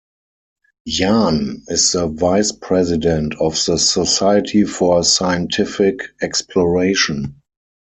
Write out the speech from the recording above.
Jahn is the vice President of the Society for Scientific Exploration.